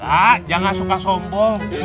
ah jangan suka sombong